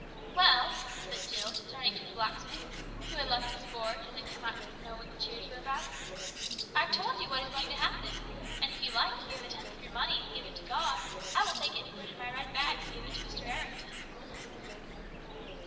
"Well," said Jill, turning to the blacksmith, who had left his forge and had come out to know what the cheers were about, "I've told you what is going to happen, and if you like to give a tenth of your money and give it to God, I will take it and put it in my red bag and give it to Mr. Errington."